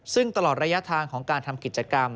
ซึ่งตลอดระยะทางของการทำกิจกรรม